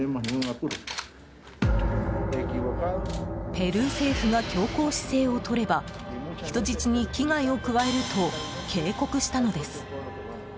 ペルー政府が強硬姿勢をとれば人質に危害を加えると警告したのです。